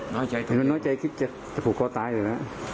มันน้อยใจคิดจะผูกคอตายอยู่แล้ว